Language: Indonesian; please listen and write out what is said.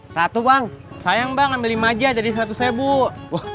satu bang sayang banget lima aja jadi satu sebuah